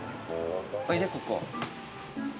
おいでここ。